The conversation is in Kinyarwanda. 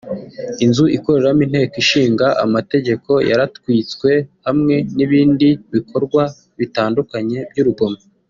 inzu ikoreramo Inteko Ishinga Amategeko yaratwitswe hamwe n’ibindi bikorwa bitandukanye by’urugomo